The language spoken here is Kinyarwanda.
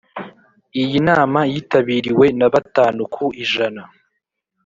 Iyi nama yitabiriwe na batanu ku ijana